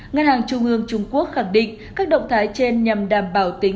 ngân hàng trung ương trung quốc khẳng định các động thái trên nhằm đảm bảo tính